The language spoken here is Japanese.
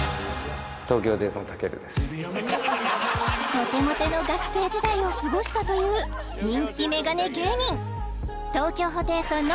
モテモテの学生時代を過ごしたといううわすごい！